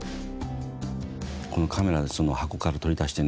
このカメラを箱から取り出してね